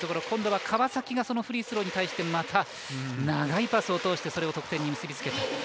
今度は川崎がフリースローに対してまた、長いパスを通してそれを得点に結びつけて。